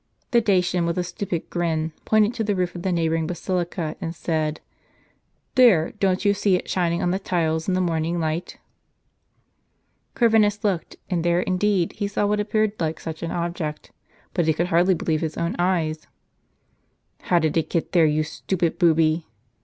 The Dacian, with a stupid grin, pointed to the roof of the neighboring basilica, and said :" There, don't you see it shin ing on the tiles, in the morning light?" Corvinus looked, and there indeed he saw what appeared like such an object, but he could hardly believe his own eyes. " How did it get there, you stupid booby?